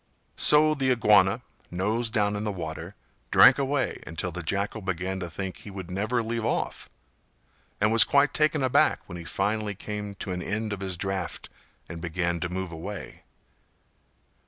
So the Iguana, nose down in the water, drank away until the Jackal began to think he would never leave off, and was quite taken aback when he finally came to an end of his draft, and began to move away.